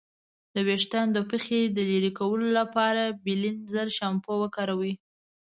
د ویښتانو پخې لرې کولو لپاره بیلینزر شامپو وکاروئ.